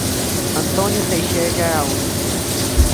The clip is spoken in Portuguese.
Antônio Teixeira de Araújo